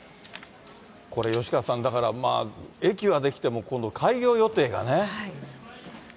これ、吉川さん、だから、駅は出来ても、今度開業予定がね。